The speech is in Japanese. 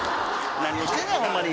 何をしてんねん、ほんまに。